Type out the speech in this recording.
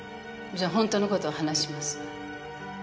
じゃあほんとのことを話します